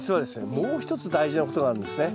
もう一つ大事なことがあるんですね。